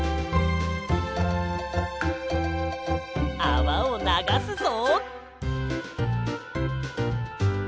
あわをながすぞ。